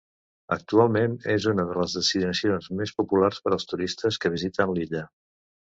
Actualment és una de les destinacions més populars per als turistes que visiten l'illa.